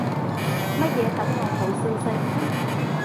乜嘢等我好消息